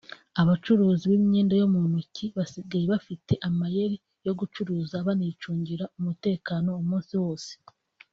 Abacuruzi b’imyenda yo mu ntoki basigaye bafite amayeri yo gucuruza banicungira umutekano umunsi wose